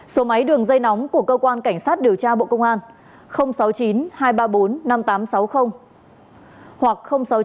số máy đường dây nóng của cơ quan cảnh sát điều tra bộ công an sáu mươi chín hai trăm ba mươi bốn năm nghìn tám trăm sáu mươi hoặc sáu mươi chín hai trăm ba mươi một nghìn sáu trăm sáu mươi